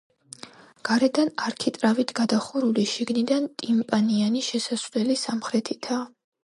გარედან არქიტრავით გადახურული, შიგნიდან ტიმპანიანი შესასვლელი სამხრეთითაა.